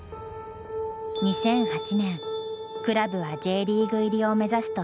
２００８年クラブはＪリーグ入りを目指すと宣言する。